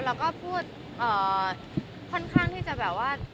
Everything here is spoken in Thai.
แล้วก็พูดค่อนข้างที่จะแบบว่า